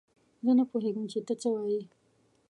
زه نه پوهېږم چې تۀ څۀ وايي.